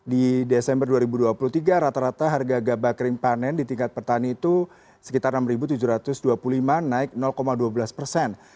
di desember dua ribu dua puluh tiga rata rata harga gabah kering panen di tingkat petani itu sekitar enam tujuh ratus dua puluh lima naik dua belas persen